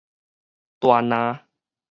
大林